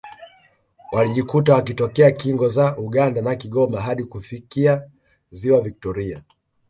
Walijikuta wakitokea kingo za Uganda na Kigoma hadi kufikia Ziwa Viktoria